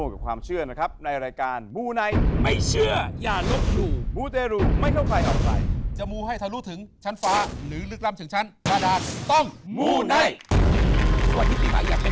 และก็ดาวพระเรือหนาสมดี